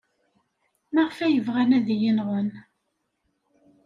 Maɣef ay bɣan ad iyi-nɣen?